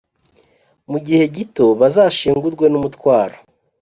mu gihe gito bazashengurwe n’umutwaro